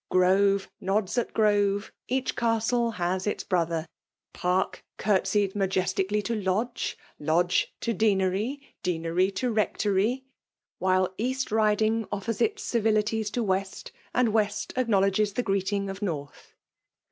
" Grore nods at Groves each Castle faaa its brother ;*' Pttrtt cnrteied majestically to Lodge, — Lodge to Deanery, — Deanery to Rectory; — while East Biding offers its civilities to West, and West acknowledges the greeting of North.